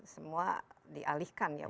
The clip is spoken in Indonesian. semua dialihkan ya